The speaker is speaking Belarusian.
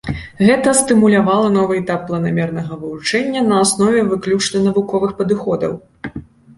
Гэта стымулявала новы этап планамернага вывучэння на аснове выключна навуковых падыходаў.